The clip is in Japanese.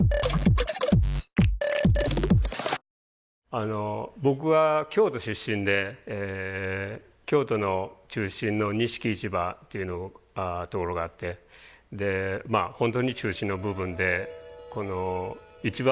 あの僕は京都出身で京都の中心の錦市場っていうところがあってでまあ本当に中心の部分でこの市場ですね。